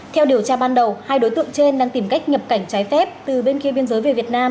theo điều tra ban đầu hai đối tượng trên đang tìm cách nhập cảnh trái phép từ bên kia biên giới về việt nam